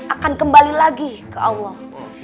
akan kembali lagi ke allah